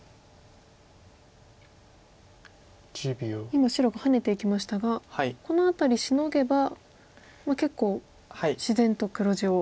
今白がハネていきましたがこの辺りシノげば結構自然と黒地を削れますか。